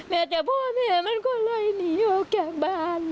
แม่แต่พ่อแม่มันก็เลยหนีเอาแก่งบ้าน